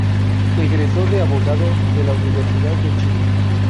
Egresó de abogado de la Universidad de Chile.